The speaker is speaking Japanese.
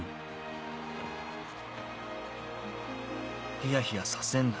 ヒヤヒヤさせんな。